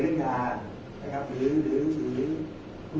แต่ว่าไม่มีปรากฏว่าถ้าเกิดคนให้ยาที่๓๑